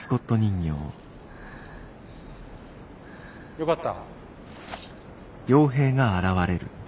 よかった。